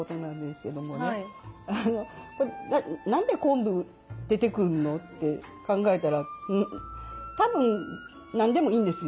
「何で昆布出てくんの？」って考えたら多分何でもいいんですよ。